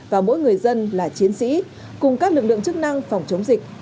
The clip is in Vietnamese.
và mỗi người dân là chiến sĩ cùng các lực lượng chức năng phòng chống dịch